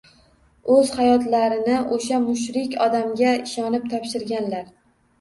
O‘z hayotlarini o‘sha mushrik odamga ishonib topshirganlar